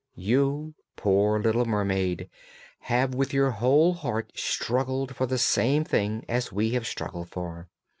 You, poor little mermaid, have with your whole heart struggled for the same thing as we have struggled for.